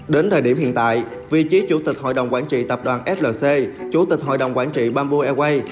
đến thời điểm hiện tại vị trí chủ tịch hội đồng quản trị tập đoàn flc chủ tịch hội đồng quản trị bamboo airways